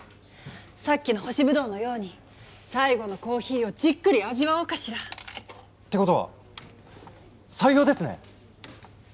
さっきの干しブドウのように最後のコーヒーをじっくり味わおうかしら。ってことは採用ですね？